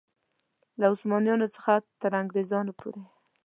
له عثمانیانو څخه تر انګرېزانو پورې.